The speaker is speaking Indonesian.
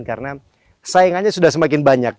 karena saingannya sudah semakin banyak